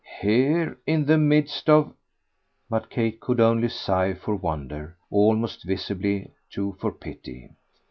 "Here in the midst of !" But Kate could only sigh for wonder almost visibly too for pity.